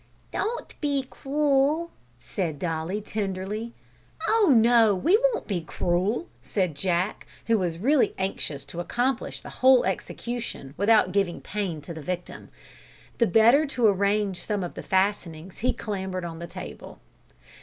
"Don't be c'uel," said Dolly tenderly. "Oh no, we won't be cruel," said Jack, who was really anxious to accomplish the whole execution without giving pain to the victim. The better to arrange some of the fastenings he clambered on the table.